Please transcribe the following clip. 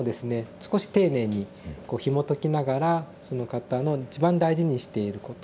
少し丁寧にこうひもときながらその方の一番大事にしていること。